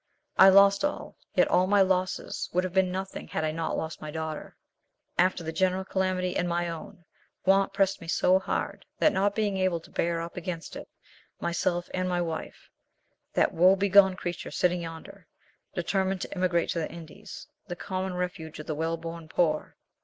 I lost all; yet all my losses would have been nothing had I not lost my daughter. After the general calamity and my own, want pressed me so hard, that not being able to bear up against it, myself and my wife—that woe begone creature sitting yonder—determined to emigrate to the Indies, the common refuge of the well born poor.